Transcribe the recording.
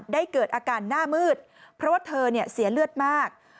เกิดอาการหน้ามืดเพราะว่าเธอเสียเลือดมาก